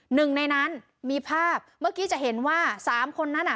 หนึ่งในนั้นมีภาพเมื่อกี้จะเห็นว่าสามคนนั้นอ่ะ